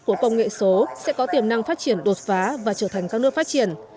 của công nghệ số sẽ có tiềm năng phát triển đột phá và trở thành các nước phát triển